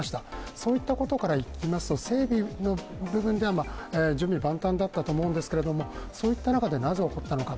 そういったことからいきますと、整備の部分では準備万端だったと思うんですが、そういった中でなぜ起こったのか。